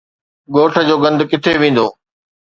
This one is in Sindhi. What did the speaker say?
ڳوٺ جو گند ڪٿي ويندو؟